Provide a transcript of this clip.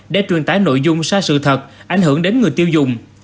để truyền tải nội dung sai sự thật ảnh hưởng đến người tiêu dùng